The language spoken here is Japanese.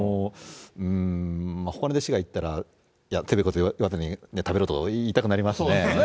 うーん、ほかの弟子が言ったら、とやかく言わずに食べろと言いたくなりますね。